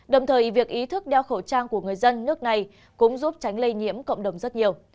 đồng thời việc ý thức đeo khẩu trang của người dân nước này cũng giúp tránh lây nhiễm cộng đồng rất nhiều